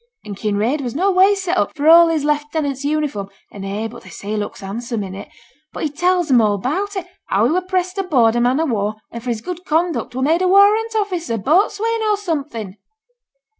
And Kinraid was no ways set up, for all his lieutenant's uniform (and eh! but they say he looks handsome in it!); but he tells 'm all about it how he was pressed aboard a man o' war, an' for his good conduct were made a warrant officer, boatswain, or something!'